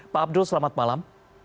pak abdul selamat malam